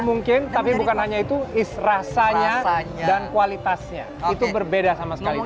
mungkin tapi bukan hanya itu rasanya dan kualitasnya itu berbeda sama sekali